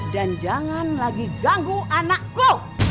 dan jangan lagi ganggu anakku